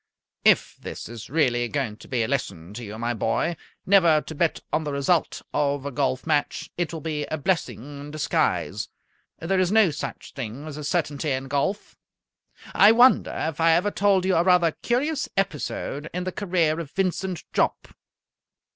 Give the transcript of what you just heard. "If this is really going to be a lesson to you, my boy, never to bet on the result of a golf match, it will be a blessing in disguise. There is no such thing as a certainty in golf. I wonder if I ever told you a rather curious episode in the career of Vincent Jopp?"